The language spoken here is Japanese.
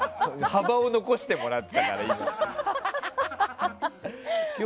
幅を残してもらったから、今。